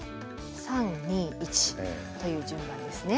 ３２１という順番ですね。